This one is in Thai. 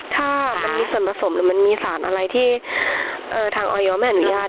ถ้ามันมีส่วนผสมหรือมันมีสารอะไรที่ทางออยไม่อนุญาต